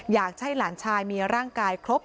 อยากให้หลานชายมีร่างกายครบ